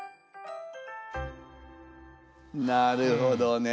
なるほどね。